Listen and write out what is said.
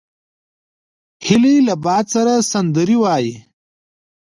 هیلۍ له باد سره سندرې وايي